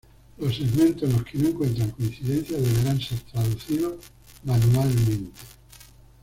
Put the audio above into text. Los segmentos en los que no encuentran coincidencias deberán ser traducidos manualmente.